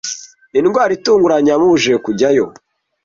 Indwara itunguranye yamubujije kujyayo.